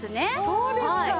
そうですか！